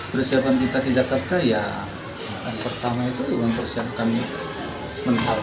persiapan kita ke jakarta yang pertama itu mempersiapkan mental